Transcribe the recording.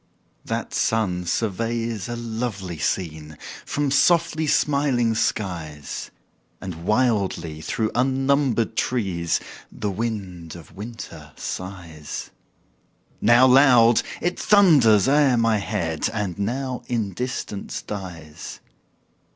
That sun surveys a lovely scene From softly smiling skies; And wildly through unnumbered trees The wind of winter sighs: Now loud, it thunders o'er my head, And now in distance dies.